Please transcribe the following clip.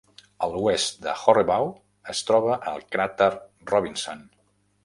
A l'oest de Horrebow es troba el cràter Robinson.